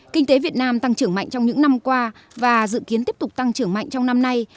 kinh tế việt nam tăng trưởng mạnh trong những năm qua và dự kiến tiếp tục tăng trưởng mạnh trong năm nay